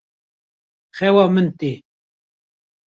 Xewa min tê.